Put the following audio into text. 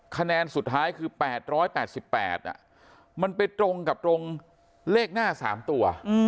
คะแนนสุดท้ายคือ๘๘มันไปตรงกับตรงเลขหน้า๓ตัว